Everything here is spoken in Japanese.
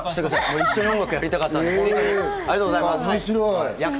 一緒に音楽やりたかったんで、約束！